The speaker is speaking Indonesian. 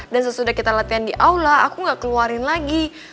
dan sesudah kita latihan di aula aku gak keluarin lagi